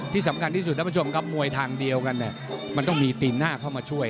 ที่สำคัญที่สุดท่านผู้ชมครับมวยทางเดียวกันมันต้องมีตีนหน้าเข้ามาช่วย